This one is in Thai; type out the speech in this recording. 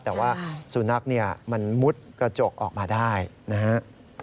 แต่ว่าสุนัขเนี่ยมันมุดกระจกออกมาได้นะฮะ